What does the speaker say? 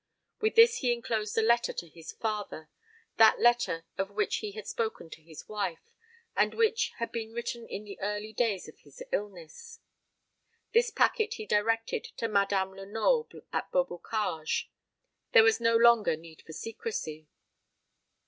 With this he enclosed a letter to his father that letter of which he had spoken to his wife, and which had been written in the early days of his illness. This packet he directed to Madame Lenoble, at Beaubocage. There was no longer need for secrecy.